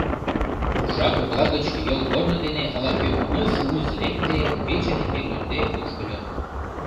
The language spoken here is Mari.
Уржа кокла гыч йолгорно дене ала-кӧ мыз-муз лекте, пече деке лӱдде ошкыльо.